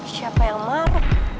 siapa yang maruk